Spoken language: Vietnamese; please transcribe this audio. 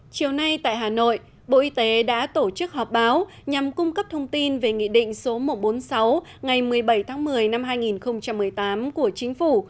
chiều nay tại hà nội bộ y tế đã tổ chức họp báo nhằm cung cấp thông tin về nghị định số một trăm bốn mươi sáu ngày một mươi bảy tháng một mươi năm hai nghìn một mươi tám của chính phủ